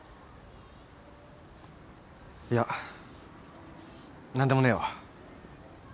いや何でもねえわ。